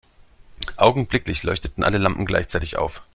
Augenblicklich leuchteten alle Lampen gleichzeitig auf.